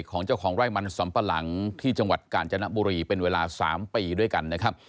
ของเจ้าของไร่มันสำปะหลังที่จังหวัดกาญจนบุรีเป็นเวลา๓ปีด้วยกันนะครับ